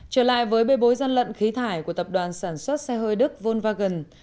trở lại với bê bối gian lận khí thải của tập đoàn sản xuất xe hơi đức volvagan